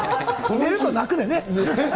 寝ると泣くだよね。